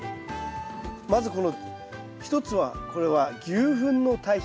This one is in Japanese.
まずこの一つはこれは牛ふんの堆肥。